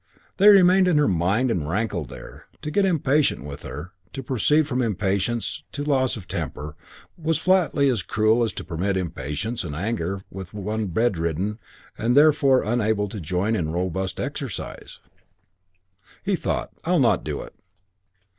They remained in her mind and rankled there. To get impatient with her, to proceed from impatience to loss of temper, was flatly as cruel as to permit impatience and anger with one bedridden and therefore unable to join in robust exercises. He thought, "I'll not do it."